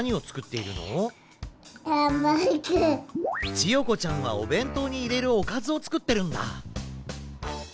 ちよこちゃんはおべんとうにいれるおかずをつくってるんだ。